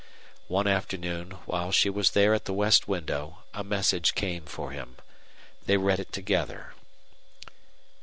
One afternoon, while she was there at the west window, a message came for him. They read it together.